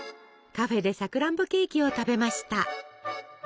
カフェでさくらんぼケーキを食べました。